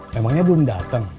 memangnya belum datang